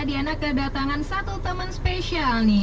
diana kedatangan satu teman spesial nih